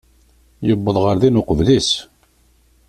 Yuwweḍ ɣer din uqbel-is.